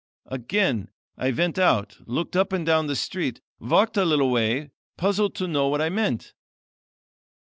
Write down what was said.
"Again I went out, looked up and down the street, walked a little way, puzzled to know what I meant.